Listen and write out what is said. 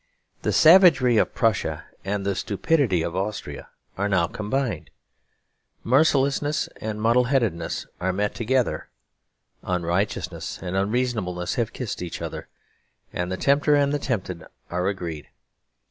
The savagery of Prussia and the stupidity of Austria are now combined. Mercilessness and muddleheadedness are met together; unrighteousness and unreasonableness have kissed each other; and the tempter and the tempted are agreed.